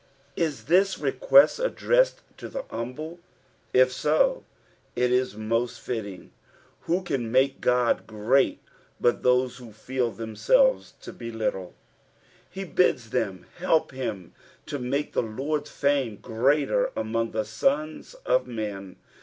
Is this request addressed to the humble t If so it is most fitting. Who can make Qod great but those who feel them selves to be little? Uu bids them help him to make the Lord's fame greater among the sons of men.